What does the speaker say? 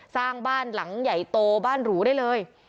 สร้างบ้านหลังใหญ่โตบ้านหรูได้เลย